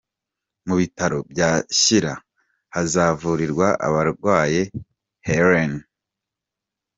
Mu Bitaro bya Shyira hazavurirwa abarwaye ‘hernie’.